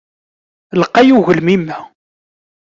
Lqay ugelmim-a.